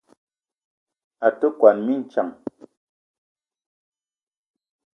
A te kwuan mintsang.